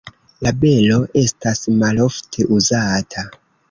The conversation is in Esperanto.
La belo estas malofte uzata.